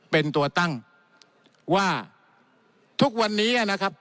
เป็นตัวตั้งว่าทุกวันนี้นะครับ